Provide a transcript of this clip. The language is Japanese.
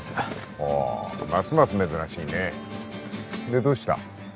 ほうますます珍しいねでどうした？